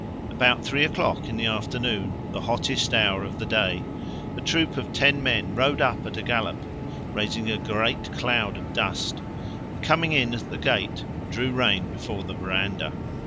About three o'clock in the afternoon, the hottest hour of the day, a troop of ten men rode up at a gallop, raising a great cloud of dust, and coming in at the gate drew rein before the verandah.